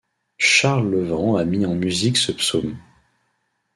Charles Levens a mis en musique ce psaume.